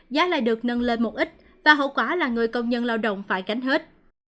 giá lại được nâng lên một ít và hậu quả là người công nhân lao động phải gánh hết